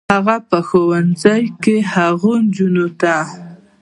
هغه به په ښوونځي کې هغو نجونو ته